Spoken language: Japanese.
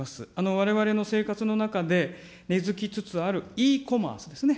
われわれの生活の中で根づきつつあるイーコマースですね。